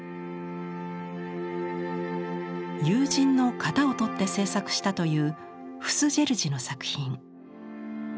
友人の型を取って制作したというフス・ジェルジの作品。